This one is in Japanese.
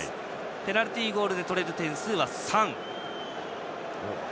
ペナルティーゴールで取れる点数は３。